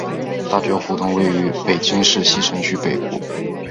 大觉胡同位于北京市西城区北部。